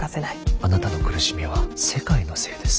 あなたの苦しみは世界のせいです。